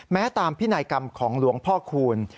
ตามพินัยกรรมของหลวงพ่อคูณ